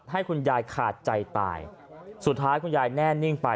ให้คุณยายขาดใจตายสุดท้ายคุณยายแน่นิ่งไป